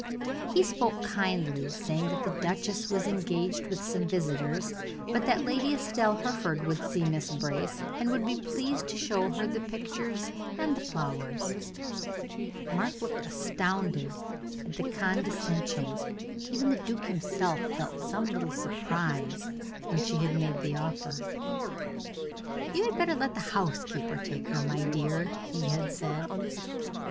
He spoke kindly, saying that the duchess was engaged with some visitors, but that Lady Estelle Hereford would see Miss Brace, and would be pleased to show her the pictures and the flowers. Mark looked astounded at the condescension; even the duke himself felt some little surprise when she had made the offer. "You had better let the housekeeper take her, my dear," he had said.